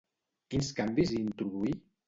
Quins canvis hi introduí?